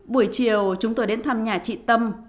buổi chiều chúng tôi đến thăm nhà chị tâm